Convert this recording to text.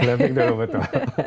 glamping dulu betul